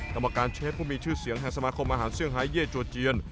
กรรมการเชฟผู้มีชื่อเสียงแห่งสมาคมอาหารเซี่ไฮเย่จัวเจียน